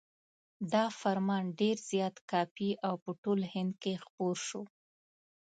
دا فرمان ډېر زیات کاپي او په ټول هند کې خپور شو.